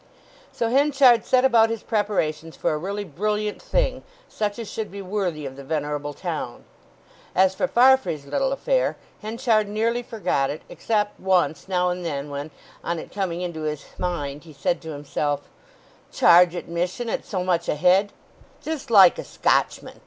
So Henchard set about his preparations for a really brilliant thing—such as should be worthy of the venerable town. As for Farfrae's little affair, Henchard nearly forgot it; except once now and then when, on it coming into his mind, he said to himself, "Charge admission at so much a head—just like a Scotchman!